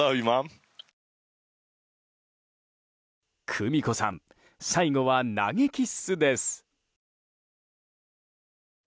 久美子さん最後は投げキッスです。